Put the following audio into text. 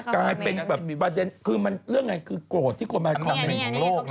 กลายเป็นแบบประเด็นคือเรื่องยังไงคือโกรธที่กลมมาอันดับหนึ่งของโลก